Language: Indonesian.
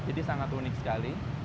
jadi sangat unik sekali